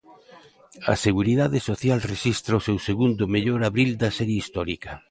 A Seguridade Social rexistra o seu segundo mellor abril da serie histórica.